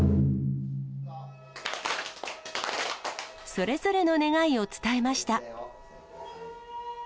それぞれの願いを伝えました。